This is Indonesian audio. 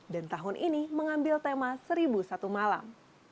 dan tahun ini mengambil tema seribu satu malam